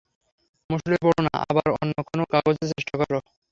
মুষড়ে পড়ো না, আবার অন্য কোন কাগজে চেষ্টা কর।